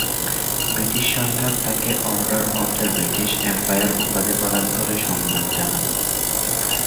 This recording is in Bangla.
ব্রিটিশ সরকার তাকে Order of the British Empire উপাধি প্রদান করে সম্মান জানান।.